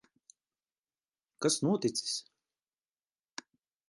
Kas noticis?